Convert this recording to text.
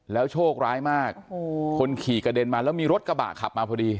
โชคร้ายมากคนขี่กระเด็นมาแล้วมีรถกระบะขับมาพอดี